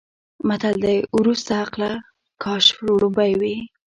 متل دی: ورستیه عقله کاش وړومبی وی.